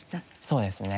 そうですね。